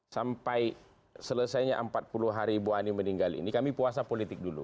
sampai selesainya empat puluh hari ibu ani meninggal ini kami puasa politik dulu